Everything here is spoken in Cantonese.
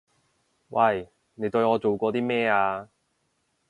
喂！你對我做過啲咩啊？